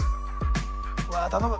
うわ頼む。